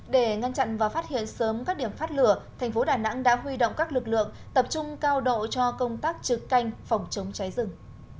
để ngăn chặn và phát hiện sớm các điểm phát lửa thành phố đà nẵng đã huy động các lực lượng tập trung cao độ cho công tác trực canh phòng chống cháy rừng